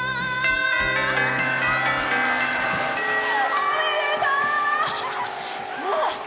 おめでとう！